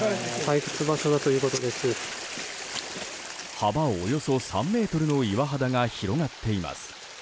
幅およそ３ｍの岩肌が広がっています。